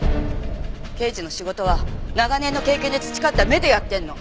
刑事の仕事は長年の経験で培った目でやってんの。